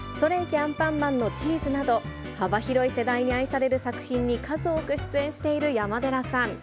アンパンマンのチーズなど、幅広い世代に愛される作品に数多く出演している山寺さん。